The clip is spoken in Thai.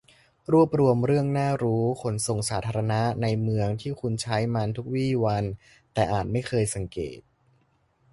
รวบรวมเรื่องน่ารู้ขนส่งสาธารณะในเมืองที่คุณใช้มันทุกวี่วัน แต่อาจไม่เคยสังเกต